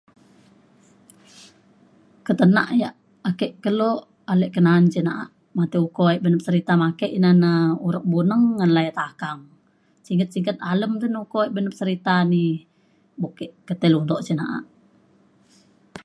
Ketenak ia’ ake kelo ale cin na’a matai ae uko beng serita me ake ina na urok buneng ngan laya takang. Singget singget alem te na uko e serita ni buk ke ke tai lundok cen na’a.